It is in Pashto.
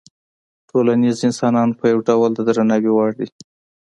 ټول انسانان په یو ډول د درناوي وړ دي.